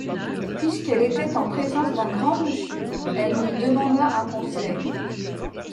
Puisqu’elle était en présence d’un grand monsieur, elle lui demanda un conseil.